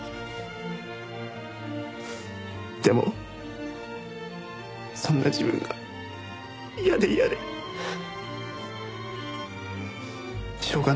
でもそんな自分が嫌で嫌でしょうがなかった。